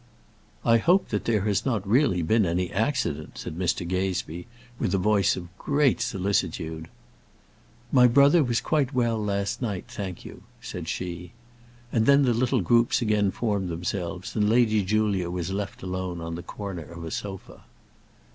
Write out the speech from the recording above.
"I hope that there has not really been any accident," said Mr. Gazebee, with a voice of great solicitude. "My brother was quite well last night, thank you," said she. And then the little groups again formed themselves, and Lady Julia was left alone on the corner of a sofa.